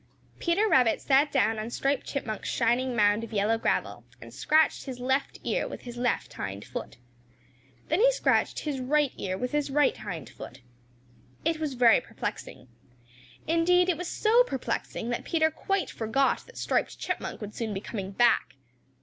Peter Rabbit sat down on Striped Chipmunk's shining mound of yellow gravel and scratched his left ear with his left hindfoot. Then he scratched his right ear with his right hindfoot. It was very perplexing. Indeed, it was so perplexing that Peter quite forgot that Striped Chipmunk would soon be coming back.